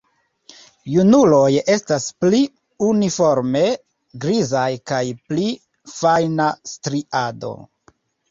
Junuloj estas pli uniforme grizaj kun pli fajna striado.